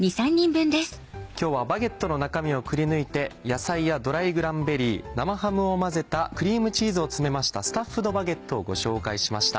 今日はバゲットの中身をくりぬいて野菜やドライクランベリー生ハムを混ぜたクリームチーズを詰めました「スタッフドバゲット」をご紹介しました。